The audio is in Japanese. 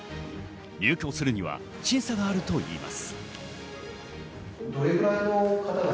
入居するには審査があるといいます。